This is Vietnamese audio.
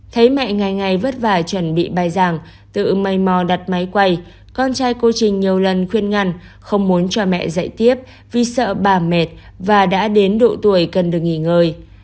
thấy mẹ ngày ngày vất vả chuẩn bị bài giảng tự mây mò đặt máy quay con trai cô trình nhiều lần khuyên ngăn không muốn cho mẹ dạy tiếp vì sợ bà mệt và đã đến độ tuổi cần được nghỉ ngơi